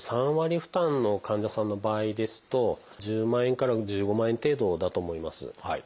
３割負担の患者さんの場合ですと１０万円から１５万円程度だと思います。